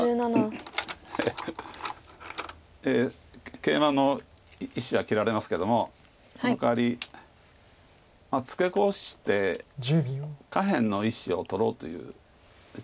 ケイマの石は切られますけどもそのかわりツケコして下辺の１子を取ろうという打ち方かもしれないです。